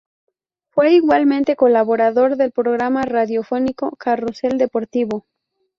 Fue, igualmente, colaborador del programa radiofónico Carrusel Deportivo.